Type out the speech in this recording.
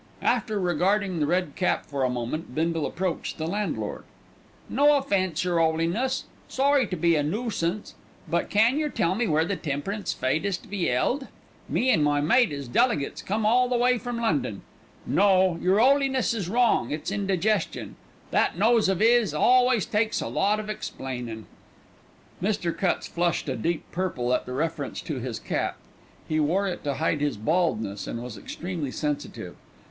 After regarding the red cap for a moment Bindle approached the landlord. "No offence, your 'Oliness! Sorry to be a noosance, but can yer tell me where the Temperance Fête is to be 'eld? Me and my mate is delegates come all the way from London. No; your 'Oliness is wrong, it's indigestion. That nose of 'is always takes a lot of explainin'." Mr. Cutts flushed a deep purple at the reference to his cap. He wore it to hide his baldness, and was extremely sensitive.